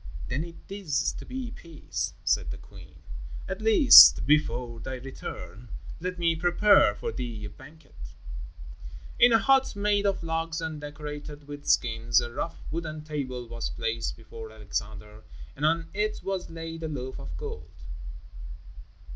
"Then it is to be peace," said the queen. "At least, before thy return, let me prepare for thee a banquet." In a hut made of logs and decorated with skins, a rough wooden table was placed before Alexander and on it was laid a loaf of gold.